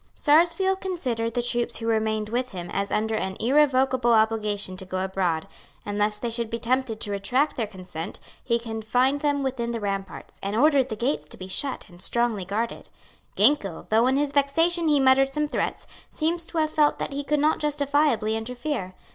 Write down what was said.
Sarsfield considered the troops who remained with him as under an irrevocable obligation to go abroad; and, lest they should be tempted to retract their consent, he confined them within the ramparts, and ordered the gates to be shut and strongly guarded. Ginkell, though in his vexation he muttered some threats, seems to have felt that he could not justifiably interfere.